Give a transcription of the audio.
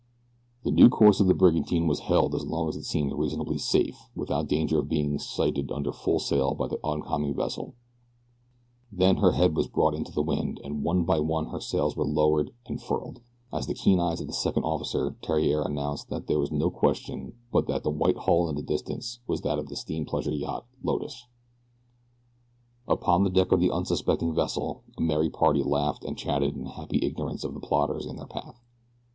The new course of the brigantine was held as long as it seemed reasonably safe without danger of being sighted under full sail by the oncoming vessel, then her head was brought into the wind, and one by one her sails were lowered and furled, as the keen eyes of Second Officer Theriere announced that there was no question but that the white hull in the distance was that of the steam pleasure yacht Lotus. Upon the deck of the unsuspecting vessel a merry party laughed and chatted in happy ignorance of the plotters in their path.